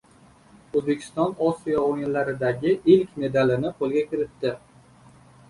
O‘zbekiston Osiyo o‘yinlaridagi ilk medalini qo‘lga kiritdi